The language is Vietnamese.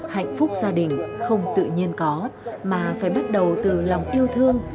hạnh phúc gia đình không tự nhiên có mà phải bắt đầu từ lòng yêu thương